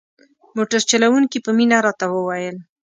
موټر چلوونکي په مینه راته وویل.